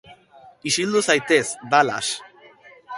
Honek askatasun osoa ematen baitu.